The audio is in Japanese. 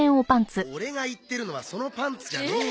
オレが言ってるのはそのパンツじゃねえよ。